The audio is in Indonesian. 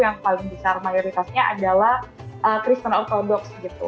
yang paling besar mayoritasnya adalah kristen ortodox gitu